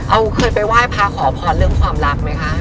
เอาเคยไปไหว้พระขอพรเรื่องความรักไหมคะ